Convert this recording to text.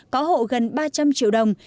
có hộ gần ba trăm linh triệu đồng